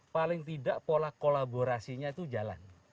paling tidak pola kolaborasinya itu jalan